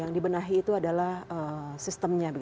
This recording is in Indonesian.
yang dibenahi itu adalah sistemnya